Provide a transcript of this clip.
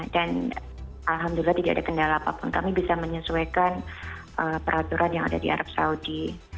dan alhamdulillah tidak ada kendala apapun kami bisa menyesuaikan peraturan yang ada di arab saudi